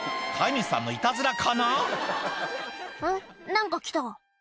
何か来た」